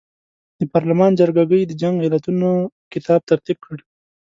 د پارلمان جرګه ګۍ د جنګ علتونو کتاب ترتیب کړ.